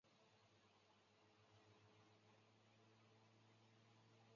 人们还把注音符号运用到汉语以外。